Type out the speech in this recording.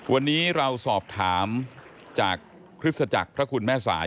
วันนี้เราสอบถามจากคริสตจักรพระคุณแม่สาย